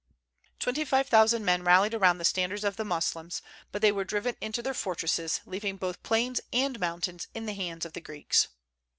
Twenty five thousand men rallied around the standards of the Moslems; but they were driven into their fortresses, leaving both plains and mountains in the hands of the Greeks.